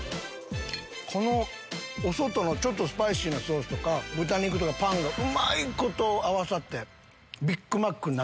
このお外のスパイシーなソースとか豚肉とかパンがうまいこと合わさって。